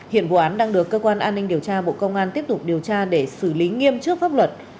hiện vụ án đang được cơ quan an ninh điều tra bộ công an tiếp tục điều tra để xử lý nghiêm trước pháp luật